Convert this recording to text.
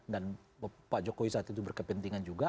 pak jokowi saat itu berkepentingan juga